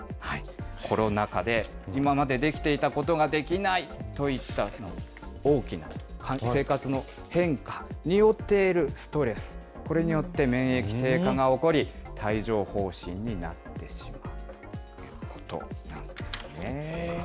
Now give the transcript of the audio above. コロナ禍で、今までできていたことができないといった、大きな生活の変化によって得るストレス、これによって免疫低下が起こり、帯状ほう疹になってしまうということなんですね。